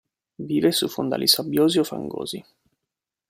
Vive su fondali sabbiosi o fangosi.